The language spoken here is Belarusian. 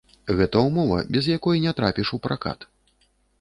Гэта ўмова, без якой не трапіш у пракат.